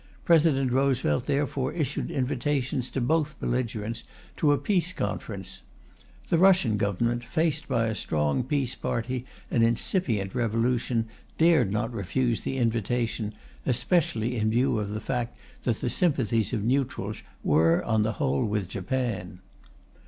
President Roosevelt therefore issued invitations to both belligerents to a peace conference. The Russian Government, faced by a strong peace party and incipient revolution, dared not refuse the invitation, especially in view of the fact that the sympathies of neutrals were on the whole with Japan.